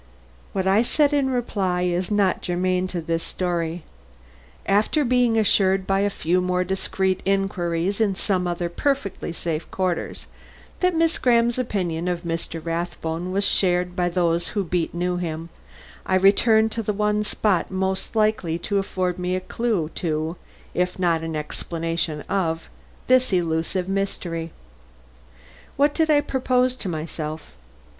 What I said in reply is not germane to this story. After being assured by a few more discreet inquiries in some other perfectly safe quarters that Miss Graham's opinion of Mr. Rathbone was shared by those who best knew him, I returned to the one spot most likely to afford me a clue to, if no explanation of, this elusive mystery. What did I propose to myself?